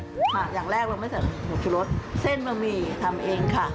อย่างแรกเราไม่ใส่หมูชุรสเส้นบะหมี่ทำเองค่ะ